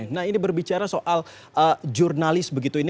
nah ini berbicara soal jurnalis begitu ini